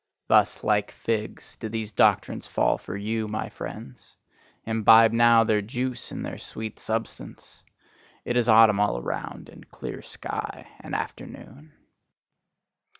Thus, like figs, do these doctrines fall for you, my friends: imbibe now their juice and their sweet substance! It is autumn all around, and clear sky, and afternoon.